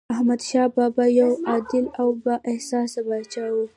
احمدشاه بابا یو عادل او بااحساسه پاچا و.